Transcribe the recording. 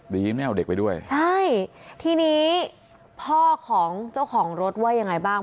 ไม่เอาเด็กไปด้วยใช่ทีนี้พ่อของเจ้าของรถว่ายังไงบ้าง